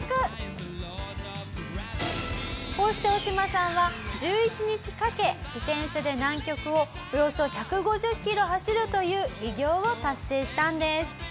こうしてオオシマさんは１１日かけ自転車で南極をおよそ１５０キロ走るという偉業を達成したんです。